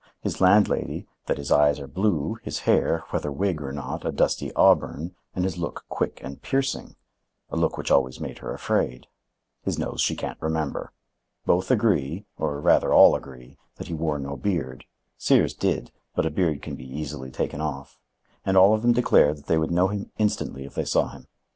His land lady, that his eyes are blue, his hair, whether wig or not, a dusty auburn, and his look quick and piercing,—a look which always made her afraid. His nose she don't remember. Both agree, or rather all agree, that he wore no beard—Sears did, but a beard can be easily taken off—and all of them declare that they would know him instantly if they saw him.